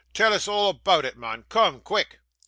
'Tell us all aboot it, mun; coom, quick!